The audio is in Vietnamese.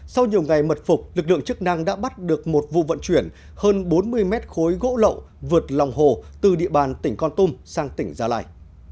sau nhiều ngày mật phục lực lượng chức năng đã bắt được một vụ vận chuyển hơn bốn mươi mét khối gỗ lậu vượt lòng hồ từ địa bàn tỉnh con tum sang tỉnh gia lai